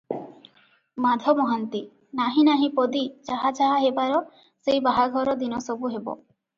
ମାଧ ମହାନ୍ତି-ନାହିଁ ନାହିଁ ପଦୀ, ଯାହା ଯାହା ହେବାର; ସେଇ ବାହାଘର ଦିନ ସବୁ ହେବ ।